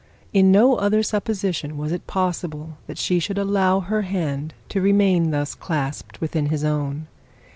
On no other supposition was it possible that she should allow her hand to remain thus clasped within his own.